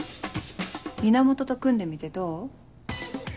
源と組んでみてどう？